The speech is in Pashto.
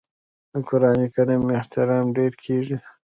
د قران کریم احترام ډیر کیږي.